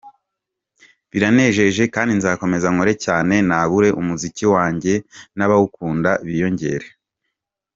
Biranejeje kandi nzakomeza nkore cyane, nagure umuziki wanjye n’abawukunda biyongere.